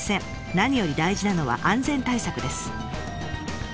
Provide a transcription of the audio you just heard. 何より大事なのは安全対策です。